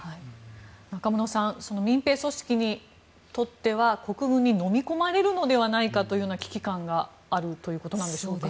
中室さん民兵組織にとっては国軍にのみ込まれるのではないかという危機感があるということでしょうか。